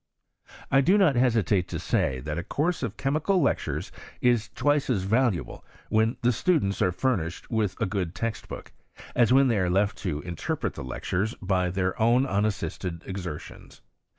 I do not hesitate to say, that a course of chemical lectures is twice as valuable when the students are furnished with a good text book, as when they are left to interpret the lec» twes by their own unassisted exertions.